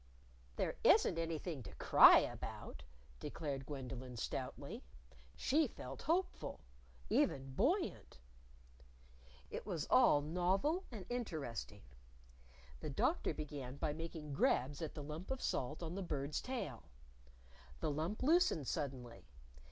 _" "There isn't anything to cry about," declared Gwendolyn, stoutly. She felt hopeful, even buoyant. It was all novel and interesting. The Doctor began by making grabs at the lump of salt on the Bird's tail. The lump loosened suddenly.